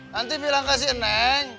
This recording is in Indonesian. nanti bilang ke si eneng